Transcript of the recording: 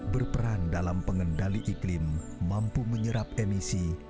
berperan dalam pengendali iklim mampu menyerap emisi